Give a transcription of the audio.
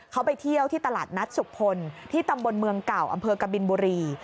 เขาไปเที่ยวที่ตลาดนัดสุพลที่ตำบลเมืองเก่าอำเภอกบินบุรี